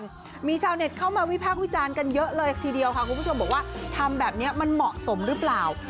ชาวมีชาวเน็ตเข้ามาวิพากษ์วิจารณ์กันเยอะเลยทีเดียวค่ะคุณผู้ชมบอกว่าทำแบบนี้มันเหมาะสมหรือเปล่า